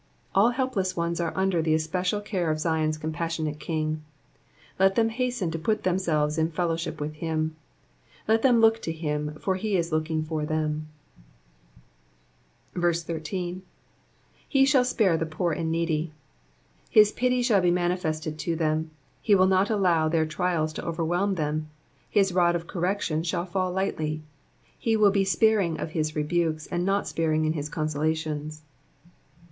All helpless ones are under the especial care of Zion's compassionate King ; let them hasten to put themselves in fellowship with him. Let them look to hira, for he is looking for them. Digitized by VjOOQIC PSALM THE SEVENTY SECOND. 321 13. i25> shall spare the poor and needy. "^^ ITis pity shall be manifested to them ; he will not allow their trials to overwhelm them ; his rod of correction shall fall lightly ; he will be sparing of his rebukes, and not sparing in his con solations.